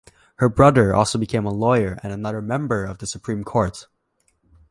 Her brother also became a lawyer and another member of the Supreme Court.